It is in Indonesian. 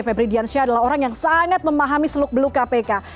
febri diansyah adalah orang yang sangat memahami seluk beluk kpk